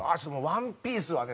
「『ワンピース』はね